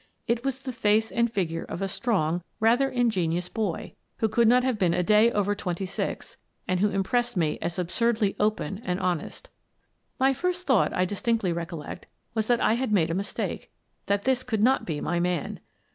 It was the face and the figure of a strong, rather ingenuous boy, who 78 Miss Frances Baird, Detective could not have been a day over twenty six and who impressed me as absurdly open and honest. My first thought, I distinctly recollect, was that I had made a mistake; that this could not be my man.